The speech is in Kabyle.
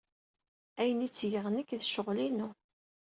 Ayen ay ttgeɣ nekk d ccɣel-inu.